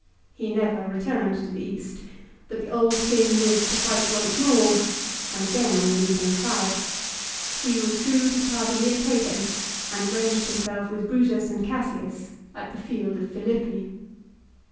He never returned to the East. But the old king lived to fight once more, and again on the losing side. He was true to the party he had taken, and ranged himself with Brutus and Cassius at the field of Philippi.